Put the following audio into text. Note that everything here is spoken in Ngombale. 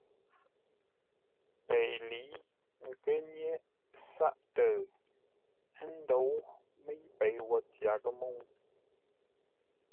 Pei lə̌i kə́ nyéʼ sáʼ-təʉ ə́ ndóu mə́i pei wo tyaghʼə́ mə́u.